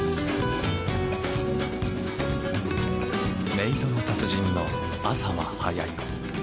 メイドの達人の朝は早い。